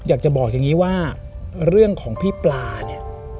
อยากจะบอกอย่างนี้ว่าเรื่องของพี่ปลาเนี่ย